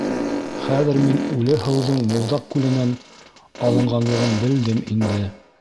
Хәҙер мин үле һыуҙың Мулдаҡ күленән алынғанлығын белдем инде.